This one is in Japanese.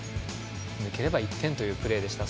抜ければ１点というプレーでした。